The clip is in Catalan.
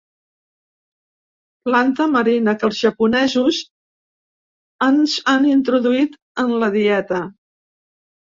Planta marina que els japonesos ens han introduït en la dieta.